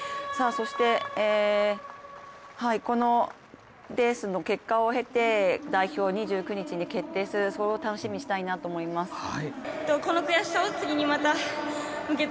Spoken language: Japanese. そして、このレースの結果を経て代表、２９日に決定する、それを楽しみにしたいなと思います。